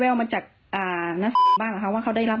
พอปิดบัญชีแล้วตั้งแต่ผู้ว่าก็มาที่แรก